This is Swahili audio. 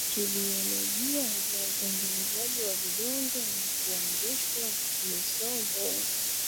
kibiolojia za utengenezaji wa vidonge na kuanzishwa misombo